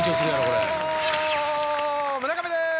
村上です。